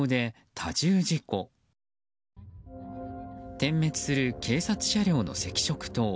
点滅する警察車両の赤色灯。